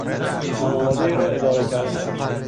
خانوادهای را اداره کردن